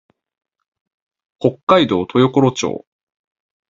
北海道豊頃町